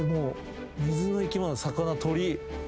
『水の生き物』『魚』『鳥』。